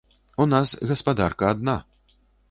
У нас гаспадарка адна.